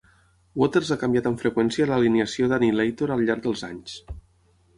Waters ha canviat amb freqüència l'alineació d'Annihilator al llarg dels anys.